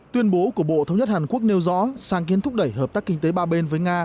tuyên bố của bộ thống nhất hàn quốc nêu rõ sáng kiến thúc đẩy hợp tác kinh tế ba bên với nga